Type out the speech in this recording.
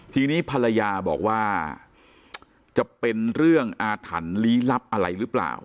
ทีนี้ภรรยาบอกว่าจะเป็นเรื่องอาถรรพ์ลี้ลับอะไรหรือเปล่า